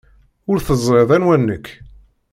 Ur teẓriḍ anwa nekk?